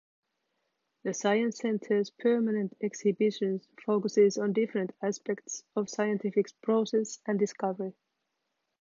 The Science Centre's permanent exhibitions focuses on different aspects of scientific process and discovery.